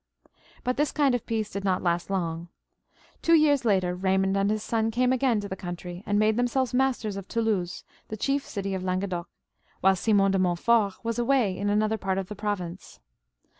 But this kind of peace did not last long. Two years later Baymond and his son came again to the country, and made themselves masters of Toulouse, the chief city of Languedoc, while Simon de Montfortwas away in another part of the province.